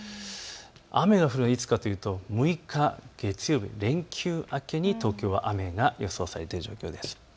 雨が降るのがいつかというと６日月曜日、連休明けに東京は雨が予想されている状況です。